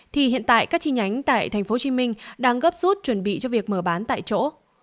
thì hiện tại các chi nhánh tại tp hcm đang gấp rút chuẩn bị cho việc mở bán tại chỗ